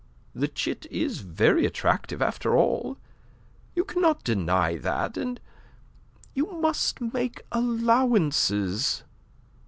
The chit is very attractive, after all. You cannot deny that. And you must make allowances."